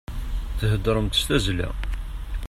Theddṛemt s tazzla.